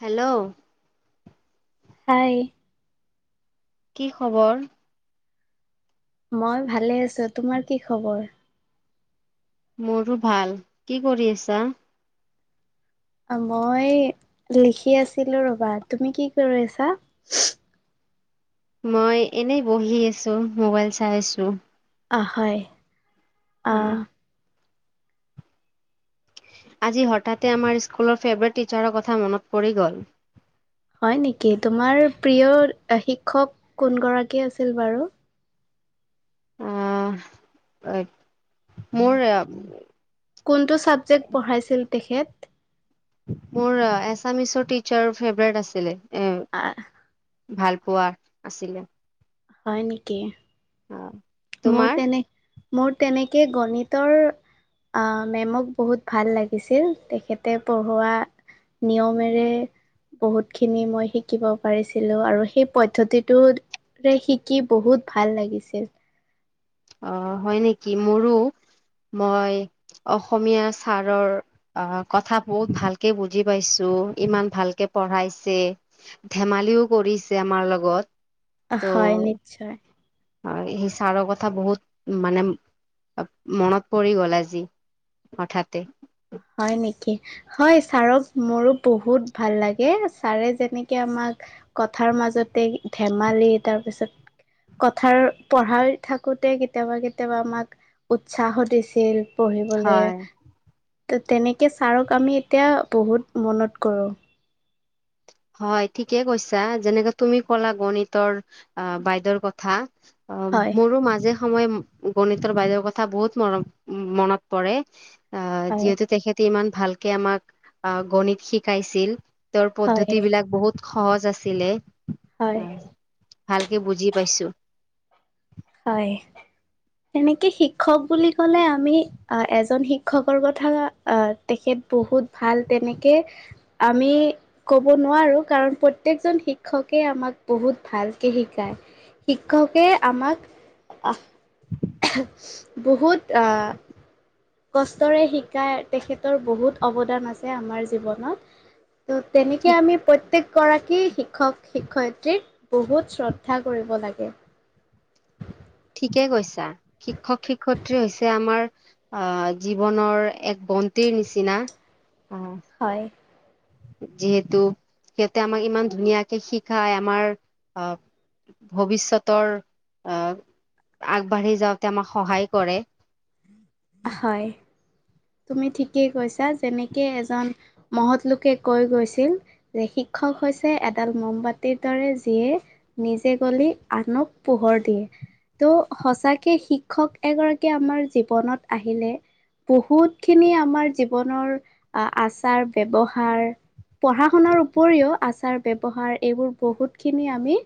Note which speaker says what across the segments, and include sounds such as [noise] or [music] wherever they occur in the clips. Speaker 1: Hello.
Speaker 2: হয়'
Speaker 1: কি খবৰ?
Speaker 2: মই ভালে আছো তোমাৰ কি খবৰ
Speaker 1: মোৰো ভাল কি কৰি আছা
Speaker 2: মই লিখি আছিলো ৰবা তুমি কি কৰিছা
Speaker 1: মই এনেই বহি আছো মোবাইল চাই আছো
Speaker 2: আ হয় আহ
Speaker 1: [inaudible] আজি হঠাতে আমাৰ স্কুলৰ ফেভৰেট টিচাৰৰ কথা মনত পৰি গ'ল
Speaker 2: হয় নেকি তোমাৰ প্ৰিয় শিক্ষক কোনগৰাকী আছিল বাৰু
Speaker 1: আহ মোৰ
Speaker 2: কোনটো ছাবজেক্ট পঢ়াইছিল তেখেত
Speaker 1: মোৰ এছামিচৰ টিচাৰ ফেভাৰেট আছিলে
Speaker 2: অহ
Speaker 1: হোৱাত আছিল
Speaker 2: হয় নেকি
Speaker 1: [inaudible]
Speaker 2: মোৰ তেনেকে মোৰ তেনেকে গণিতৰ আহ মেমক বহুত ভাল লাগিছিল তেখেতে পঢ়োৱা নিয়মেৰে বহুতখিনি মই শিকিব পাৰিছিলো আৰু সেই পদ্ধতিটোৰে শিকি বহুত ভাল লাগিছিল
Speaker 1: আহ হয় নেকি মোৰো মই অসমীয়া ছাৰৰ আহ কথা বহুত ভালকে বুজি পাইছো ইমান ভালকে পঢ়াইছে ধেমালিও কৰিছে আমাৰ লগত
Speaker 2: হয় নিশ্চয়
Speaker 1: অ সেই ছাৰৰ কথা বহুত মানে মনত পৰি গল আজি হঠাতে
Speaker 2: হয় নেকি হয় ছাৰক মোৰো বহুত ভাল লাগে ছাৰে যেনেকৈ আমাক কথাৰ মাজতে ধেমালি তাৰপিছত কথাৰ পঢ়াই থাকোঁতে কেতিয়াবা কেতিয়াবা আমাক উৎসাহো দিছিল পঢ়িবলে
Speaker 1: হয়
Speaker 2: ত তেনেকে ছাৰক আমি এতিয়া বহুত মনত কৰোঁ
Speaker 1: হয় ঠিকে কৈছা যেনেকে তুমি কলা গণিতৰ অ বাইদেৰ কথা অ
Speaker 2: হয়
Speaker 1: মোৰো মাজে সময় গণিতৰ বাইদেউৰ কথা বহুত মন মনত পৰে অ
Speaker 2: হয়
Speaker 1: যিহেতু তেখেতে ইমান ভালকে আমাক গণিত শিকাইছিল পদ্ধতি
Speaker 2: হয়
Speaker 1: বিলাক বহুত সহজ আছিলে
Speaker 2: হয়
Speaker 1: আহ ভালকে বুজি পাইছো
Speaker 2: হয় তেনেকে শিক্ষক বুলি কলে আমি এজন শিক্ষকৰ কথা আহ তেখেত বহুত ভাল তেনেকে আমি কব নোৱাৰো কাৰণ প্ৰত্যেকজন শিক্ষকে আমাক বহুত ভালকে শিকায় শিক্ষকে আমাক আহ [inaudible] বহুত আ কষ্টৰে শিকাই তেখেতৰ বহুত অৱদান আছে আমাৰ জীৱনত তেনেকে আমি প্ৰত্যেক গৰাকী শিক্ষক শিক্ষয়িত্ৰীক বহুত শ্ৰদ্ধা কৰিব লাগে।
Speaker 1: ঠিকে কৈছা শিক্ষক শিক্ষয়িত্ৰী হৈছে আমাৰ আহ জীৱনৰ এক বন্তিৰ নিচিনা। আহ
Speaker 2: হয়।
Speaker 1: যিহেতু সিহঁতে আমাক ইমান ধুনীয়াকে শিকাই আমাৰ আহ ভৱিষ্যতৰ আহ আগবাঢ়ি যাওঁতে আমাক সহায় কৰে।
Speaker 2: হয়। তুমি ঠিকেই কৈছা যেনেকে এজন মহৎ লোকে কৈ গৈছিল যে শিক্ষক হৈছে এডাল মমবতিৰ দৰে যিয়ে নিজে গল আনক পোহৰ দিয়ে। ত' সঁচাকে শিক্ষক এগৰাকী আমাৰ জীৱনত আহিলে বহুত ুত খিনি আমাৰ জীৱনৰ আচাৰ ব্ৱহাৰ পঢ়া শুনাৰ উপৰিও আচাৰ ব্ৱহাৰ এইবোৰ বহুত খিনি আমি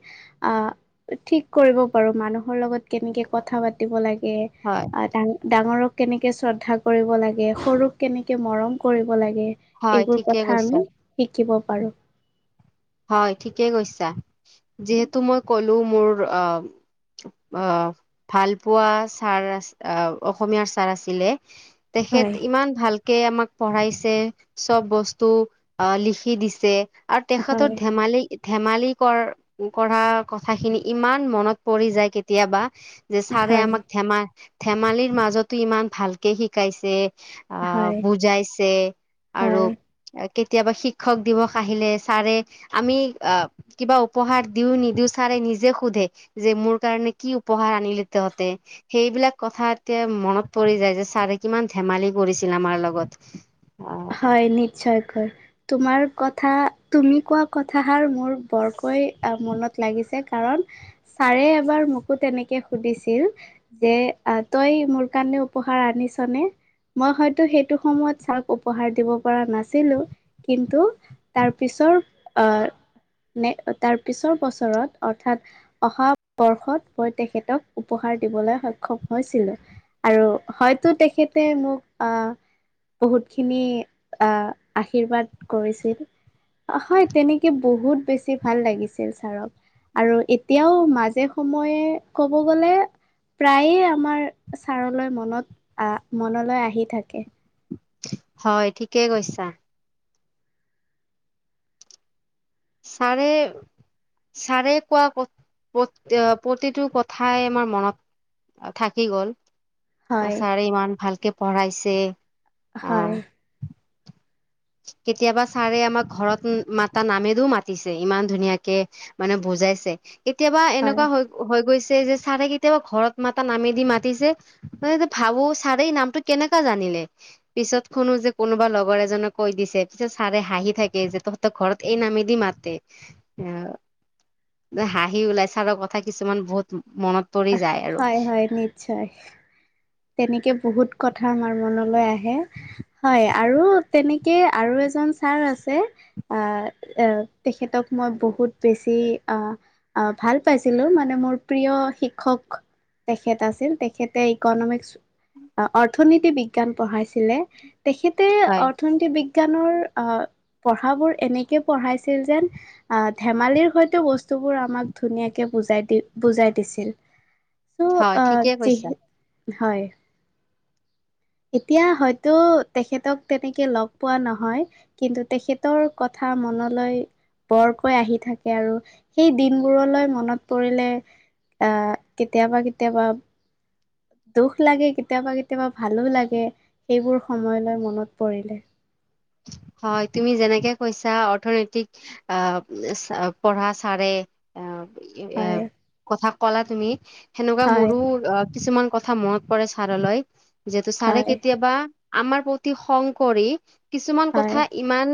Speaker 2: আহ ঠিক কৰিব পাৰো মানুহৰ লগত কেনেকে কথা পাতিব লাগে।
Speaker 1: হয়
Speaker 2: ডা ডাঙৰক কেনেকে শ্ৰদ্ধা কৰিব লাগে সৰুক কেনেকে মৰম কৰিব লাগে।
Speaker 1: হয়
Speaker 2: এইবোৰ
Speaker 1: ঠিকে
Speaker 2: কথা আমি
Speaker 1: কৈছা
Speaker 2: শ শিকিব পাৰোঁ।
Speaker 1: হয় ঠিকেই কৈছা। যিহেতু মই কলো মোৰ আহ-আহ ভাল পোৱা ছাৰ অসমীয়াৰ ছাৰ আছিলে। তেখেত
Speaker 2: হয়
Speaker 1: ইমান ভালকে আমাক পঢ়াইছে। চব বস্তু আহ লিখি দিছে। আৰু তেখেত ৰ
Speaker 2: হয়
Speaker 1: ধেমালি ধেমালি কৰ কৰাঢ কথাখিনি ইমান মনত পৰি যায় কেতিয়াবা। যে ছাৰে
Speaker 2: হয়
Speaker 1: আমাক ধেমা ধেমালিৰ মাজতো ইমান ভালকে শিকাইছে। অহ
Speaker 2: হয়
Speaker 1: বুজাইছে আৰু
Speaker 2: হয়
Speaker 1: কেতিয়াবা শিক্ষক দিৱস আহিলে ছাৰে আমি আহ কিবা উপহাৰ দিও নিদিও ছাৰে নিজে সোধে যে মোৰ কাৰনেে কি উপহাৰ আনিলে তহঁতে? সেইবিলাক কথা এতিয়া মনত পৰি যায় যে ছাৰে কিমান ধেমালি কৰিছিল আমাৰ লগত। অ
Speaker 2: হয় নিশ্চয়কৈ। তোমাৰ কথা তুমি কোৱা কথাষাৰ মোৰ বৰকৈ মনত লাগিছে কাৰণ ছাৰে এবাৰ মোকো তেনেকে সুধিছিল যে, তই মোৰ কাৰণে উপহাৰ আনিছনেে? মই হয়তো সেইটো সময়ত চ উপহাৰ দিব পৰা নাছিলোঁ। কিন্তু তাৰ পিছৰ ন তাৰ পিছৰ বছৰত অৰ্থাৎ অহা বৰ্ষত মই তেখেতক উপহাৰ দিবলৈ সক্ষম হৈছিলো। আৰু হয়তো তেখেতে মোক আহ বহুত খিনি আহ আশীৰ্বাদ কৰিছিল। হয়, তেনেকে বহুত বেছি ভাল লাগিছিল ছাৰক। আৰু এতিয়াও মাজে সময়ে ক'ব গলে প্ৰায়ে আমাৰ ছাৰলৈ মনত আহ মনলৈ আহি থাকে।
Speaker 1: হয় ঠিকেই কৈছা। ছাৰে-ছাৰে কোৱা প্ৰতি প্ৰতিটো কথাই আমাৰ মনত থাকি গ'ল। আ
Speaker 2: হয়
Speaker 1: ছাৰে ইমান ভালকে পঢ়াইছে। আহ
Speaker 2: হয়।
Speaker 1: কেতিয়াবা ছাৰে আমাক ঘৰত মাতা নামেদি মাতিছে ইমান ধুনীয়াকে মানে বুজাইছে। কেতিয়াবা
Speaker 2: হয়
Speaker 1: এনেকুৱা হৈ-হৈ গৈছে যে ছাৰে কেতিয়াবা ঘৰত মাতা নামেদি মাতিছে, ভাবো ছাৰে নামটো কেনেকা জানিলে, পিছত শুনো যে কোনোবা লগৰ এজনক কৈ দিছে। পিছত ছাৰে হাঁহি থাকে যে তহঁতৰ ঘৰত এই নামেদি মাতে। এ হাঁহি ওলাই ছাৰৰ কথা কিছুমান বহুত মনত পৰি যায় আৰু
Speaker 2: হয় হয় নিশ্চয়। তেনেকে বহুত কথা আমাৰ মনলৈ আহে হয়, আৰু তেনেকে আৰু এজন ছাৰ আছে, তেখেতক মই বহুত বেছি ভাল পাইছিলোঁ মানে মোৰ প্ৰিয় শিক্ষক তেখেত আছিল। তেখেতে ইকনমিক অৰ্থনীতি বিজ্ঞান পঢ়াইছিলে। তেখেতে
Speaker 1: হয়
Speaker 2: অৰ্থনৈতি বি - বিজ্ঞানৰ আহ পঢ়াবোৰ এনেকে পঢ়াইছিল যেন, আহ ধেমালিৰ সৈতে বস্তুবোৰ আমাক ধুনীয়াকে বুজাই দি বুজাই দিছিল। চ'
Speaker 1: হয়
Speaker 2: আহ
Speaker 1: ঠিকে কৈছা
Speaker 2: য, হয়। এতিয়া হয়তো, তেখেতক তেনেকে লগ পোৱা নহয়। কিন্তু তেখেতৰ কথা মনলৈ বৰকৈ আহি থাকে আৰু সেই দিনবোৰলৈ মনত পৰিলে আহ কেতিয়াবা কেতিয়াবা, দুখ লাগে, কেতিয়াবা কেতিয়াবা ভালো লাগে। সেইবোৰ সময় লৈ মনত পৰিলে।
Speaker 1: হয়, তুমি যেনেকে কৈছা অৰ্থনৈতিক আহ পঢ়া চাৰে আহ, এ
Speaker 2: হয়
Speaker 1: [unintelligible] কথা কলা তুমি, সেনেকুৱা
Speaker 2: হয়
Speaker 1: মোৰো অ কিছুমান, কথা মনত পৰে ছাৰলৈ। যিহেতু ছাৰে
Speaker 2: হয়
Speaker 1: কেতিয়াবা, আমাৰ প্ৰতি খং কৰি, কিছুমান কথা
Speaker 2: হয়
Speaker 1: ইমান,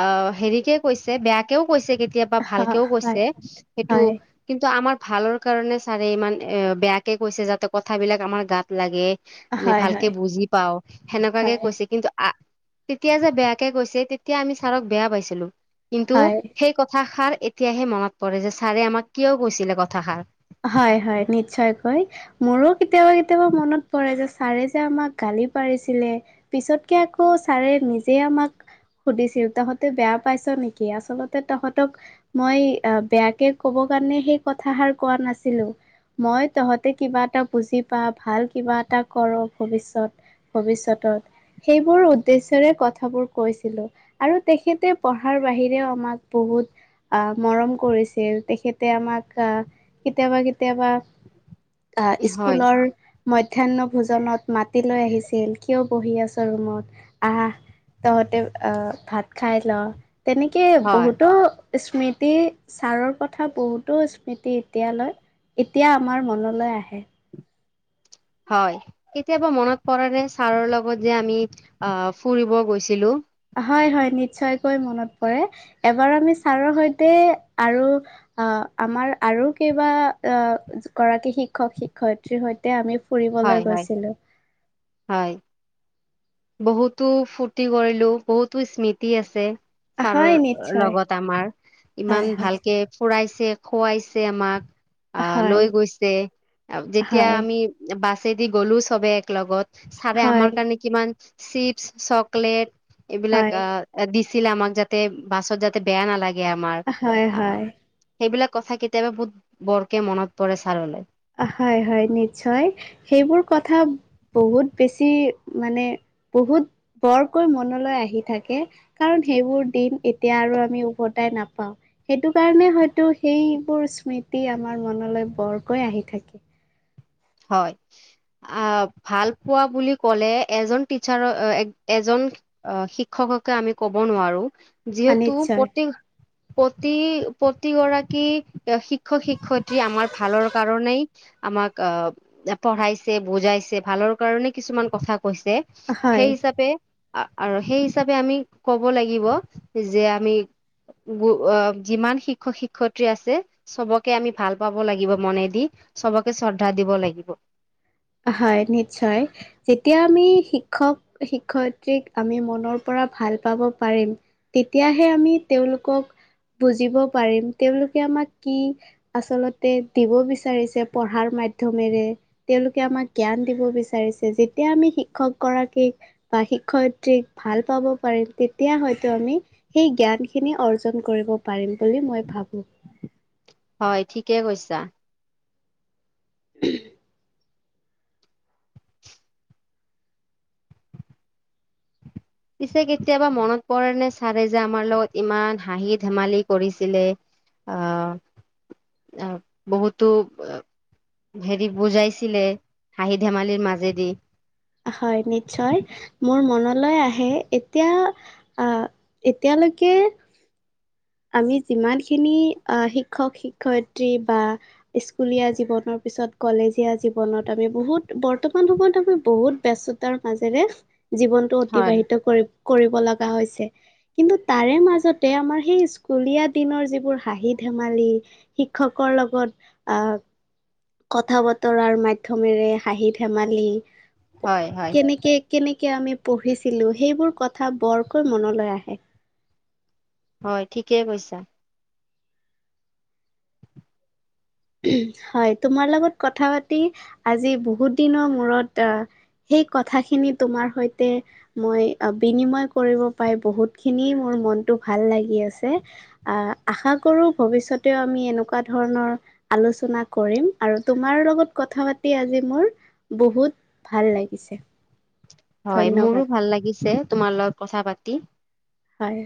Speaker 1: অ হেৰিকে কৈছে, বেয়াকেও কৈছে। কেতিয়াবা
Speaker 2: হয়
Speaker 1: ভালকেও
Speaker 2: হয়
Speaker 1: কৈছে। সেইটো
Speaker 2: হয়
Speaker 1: কিন্তু আমাৰ ভালৰ কাৰণে ছাৰে ইমান এ বেয়াকে কৈছে। যাতে কথাবিলাক আমাৰ গাত লাগে। আমি
Speaker 2: হয়
Speaker 1: ভালকে বুজি পাও,
Speaker 2: হয়
Speaker 1: সেনেকুৱাকে
Speaker 2: হয়
Speaker 1: কৈছে। কিন্তু আ- তেতিয়া যে বেয়াকে কৈছে, তেতিয়া আমি ছাৰক বেয়া পাইছিলো। কিন্তু
Speaker 2: হয়
Speaker 1: সেই কথাষাৰ এতিয়াহে মনত পৰে, যে ছাৰে আমাক কিয় কৈছিলে কথাষাৰ।
Speaker 2: হয় হয় নিশ্চয়কৈ মোৰো কেতিয়াবা কেতিয়াবা মনত পৰে যে ছাৰে যে আমাক গালি পাৰিছিলে, পিছতকে আকৌ ছাৰে নিজে আমাক সুধিছিল, তহঁতে বেয়া পাইছ নেকি, আচলতে তহঁতক মই বেয়াকে ক'ব কাৰণে সেই কথাষাৰ কোৱা নাছিলো। মই তহঁতে কিবা এটা বুজি পা, ভাল কিবা এটা কৰ ভৱিষ্যত ভৱিষয়তত, সেইবোৰ উদ্দেশ্যয়ৰে কথাবোৰ কৈছিলো আৰু তেখেতে পঢ়াৰ বাহিৰেও আমাক বহুত আহ মৰম কৰিছিল। তেখেতে আমাক আহ কেতিয়াবা কেতিয়াবা, আহ
Speaker 1: হয়,
Speaker 2: স্কুলৰ, মধ্যাহ্ন ভোজনত মাতি লৈ আহিছিল, কিয় বহি আছ ৰুমত, আহ তহঁতে আহ ভাত খাই ল। তেনেকে
Speaker 1: হয়,
Speaker 2: বহুতো স্মৃতি, ট ছাৰৰ কথা বহুতো স্মৃতিত, তিয়ালৈ এতিয়া আমাৰ মনলৈ আহে।
Speaker 1: হয়। কেতিয়াবা মনত পৰে নে, ছাৰৰ লগত যে আমি আহ ফুৰিব গৈছিলো।
Speaker 2: হয় হয় নিশ্চয়কৈ মনত পৰে। এবাৰ আমি ছাৰৰ সৈতে আৰু আহ আমাৰ আৰু কেইবা গৰাকী শিক্ষক শিক্ষয়িত্ৰীৰ সৈতে আমি,
Speaker 1: হয়,
Speaker 2: ফুৰিবলৈ
Speaker 1: হয়,
Speaker 2: গৈছিলো।
Speaker 1: হয়। বহুতো ফুৰ্তি কৰিলো বহুতো স্মৃতি আছে ছাৰৰ
Speaker 2: হয় নিশ্চয়
Speaker 1: লগত আমাৰ ইমান
Speaker 2: হয় হয়
Speaker 1: ভালকে ফুৰাই খুৱাইছে আমাক, আহ
Speaker 2: হয়,
Speaker 1: লৈ গৈছে যেতিয়া
Speaker 2: হয়,
Speaker 1: আমি বা বাছেদি গ'লো চবে এক লগত ছাৰে
Speaker 2: হয়,
Speaker 1: আমাৰ কাৰণে কিমান চিপছ চকলেট এইবিলাক
Speaker 2: হয়,
Speaker 1: আহ এ দি- ছিলে আমাক যাতে বাছত যাতে বেয়া নালাগে আমাৰ
Speaker 2: হয়,
Speaker 1: অ
Speaker 2: হয়।
Speaker 1: সেইবিলাক কথা কেতিয়াবা বহুত বৰকে মনত পৰে ছাৰলৈ।
Speaker 2: হয় হয় নিশ্চয়, সেইবোৰ কথা বহুত বেছি মানে বহুত বৰকৈ মনলৈ আহি থাকে কাৰণ সেইবোৰ দিন এতিয়া আৰু আমি উভতাই নাপাওঁ সেইটো কাৰণে হয়তো সেইবোৰ স্মৃতি আমাৰ মনলৈ বৰ কৈ আহি থাকি,
Speaker 1: হয় আহ ভাল পোৱা বুলি কলে এজন টিচাৰ এজন শিক্ষককে আমি ক'ব নোৱাৰো
Speaker 2: অ
Speaker 1: যিহেতু
Speaker 2: নিশ্চয়,
Speaker 1: পতি পত প্ৰতি প্ৰতিগৰাকী শিক- শিক্ষক শিক্ষয়িত্ৰী আমাৰ ভালৰ কাৰণেই আমাক অ পঢ়াইছে বুজাইছে ভালৰ কাৰণে কিছুমান কথা কৈছে
Speaker 2: হয়।
Speaker 1: সেই হিচাপে, আৰু সেই হিচাপে আমি কব লাগিব যে আমি গ যিমান শিক্ষক শিক্ষয়িত্ৰী আছে চবকে আমি ভাল পাব লাগিব মনে দি চবকে শ্ৰদ্ধা দিব লাগিব। আহিব।
Speaker 2: হয় নিশ্চয়, যেতিয়া আমি শিক্ষক শিক্ষয়িত্ৰীক আমি মনৰ পৰা ভাল পাব পাৰিম তেতিয়াহে আমি তেওঁলোকক বুজিব পাৰিম তেওঁলোকে আমাক কি আচলতে দিব বিচাৰিছে পঢ়াৰ মাধ্যমেৰে তেওঁলোক আমাক জ্ঞান দিব বিচাৰিছে যেতিয়া আমি শিক্ষক গৰাকীক বা শিক্ষয়িত্ৰীক ভাল পাব পাৰিম তেতিয়া হয়তো আমি সেই জ্ঞানখিনি অৰ্জন কৰিব পাৰিম বুলি মই ভাবো।
Speaker 1: কে কৈছা।
Speaker 2: [unintelligible]
Speaker 1: পিছে কেতিয়াবা মনত পৰে নে ছাৰে যে আমাৰ লগত ইমান হাঁহি ধেমালি কৰিছিলে আহ আহ বহুতো হেৰি বুজাইছিলে হাঁহি ধেমালিৰ মাজেদি
Speaker 2: হয় নিশ্চয় মোৰ মনলৈ আহে এতিয়া আহ এতিয়ালৈকে আমি যিমানখিনি আহ শিক্ষক শিক্ষয়িত্ৰী বা স্কুলীয়া জীৱনৰ পিছত কলেজীয়া জীৱনত আমি বহুত বৰ্তমান সময়ত আমি বহুত ব্যস্ততাৰ মাজেৰে জীৱনটো
Speaker 1: হয়
Speaker 2: অতিবাহিত কৰি কৰিব লগা হৈছে কিন্তু তাৰে মাজতে আমাৰ সেই স্কুলীয়া দিনৰ যিবোৰ হাঁহি ধেমালি শিক্ষকৰ লগত আহ কথা বতৰাৰ মাধ্যমেৰে হাঁহি ধেমালি
Speaker 1: হয় হয়
Speaker 2: কেনেকে কেনেকে আমি পঢ়িছিলো সেইবোৰ কথা বৰকৈ মনলৈ আহে
Speaker 1: হয় ঠিকেই কৈছা।
Speaker 2: হয় তোমাৰ লগত কথা পাতি আজি বহুত দিনৰ মূৰত আহ সেই কথাখিনি তোমাৰ সৈতে মই বিনিময় কৰিব পাই বহুত খিনি মোৰ মনটো ভাল লাগি আছে আহ আশা কৰো ভৱিষ্যতেও আমি এনেকুৱা ধৰণৰ আলোচনা কৰিম আৰু তোমাৰ লগত কথা পাতি আজি মোৰ বহুত ভাল লাগিছে।
Speaker 1: হয়, মোৰো
Speaker 2: ধন্যবাদ
Speaker 1: ভাল লাগিছে। তোমাৰ লগত কথা পাতি
Speaker 2: হয়।